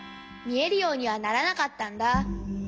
みえるようにはならなかったんだ。